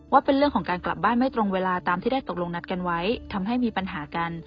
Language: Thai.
ว่าเป็นเรื่องของการกลับบ้านไม่ตรงเวลาตามที่ได้ตกลงนัดกันไว้ทำให้มีปัญหากัน